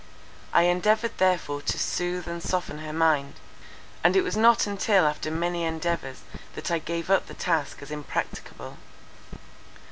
I endeavoured therefore to sooth and soften her mind; and it was not until after many endeavours that I gave up the task as impracticable.